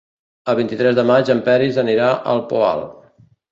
El vint-i-tres de maig en Peris anirà al Poal.